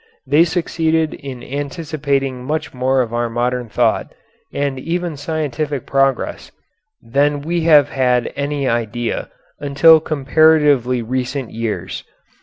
They succeeded in anticipating much more of our modern thought, and even scientific progress, than we have had any idea until comparatively recent years.